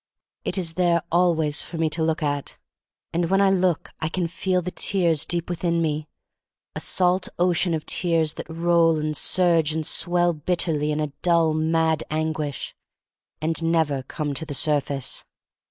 It is there always for me to look at. And when I look I can feel the tears deep within me — a salt ocean of tears that roll and surge and swell bitterly in a dull, mad anguish, and never come to the surface.